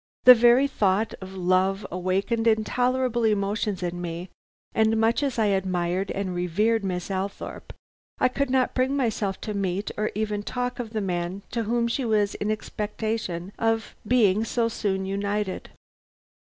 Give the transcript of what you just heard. The very thought of love awakened intolerable emotions in me, and much as I admired and revered Miss Althorpe, I could not bring myself to meet or even talk of the man to whom she was in expectation of being so soon united.